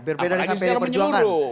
apaan secara menyeluruh